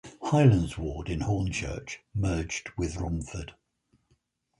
Hylands ward in Hornchurch merged with Romford.